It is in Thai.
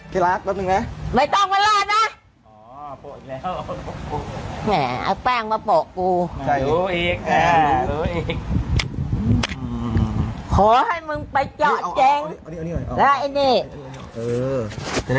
พี่รักรถหนึ่งนะ